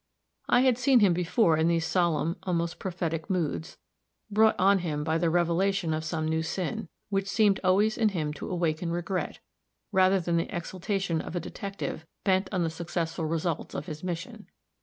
I had seen him before in these solemn, almost prophetic moods, brought on him by the revelation of some new sin, which seemed always in him to awaken regret, rather than the exultation of a detective bent on the successful results of his mission.